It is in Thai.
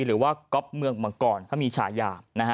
หรือว่าก๊อปเมืองมังกรเขามีฉายา